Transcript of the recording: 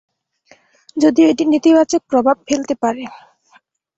যদিও এটি নেতিবাচক প্রভাব ফেলতে পারে।